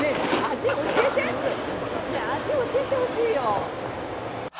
「味教えてほしいよ！」